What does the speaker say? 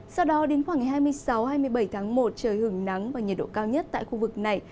sau đó đến khoảng ngày hai mươi sáu hai mươi bảy tháng một trời hưởng nắng và nhiệt độ cao nhất tại khu vực này